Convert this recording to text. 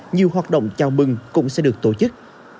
nhiều hoạt động chào mừng cũng sẽ được tổ chức